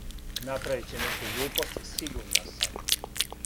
Направиће неку глупост, сигурна сам.